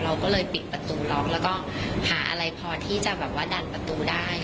เราก็เลยปิดประตูล็อกแล้วก็หาอะไรพอที่จะแบบว่าดันประตูได้